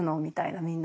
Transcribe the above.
みんな。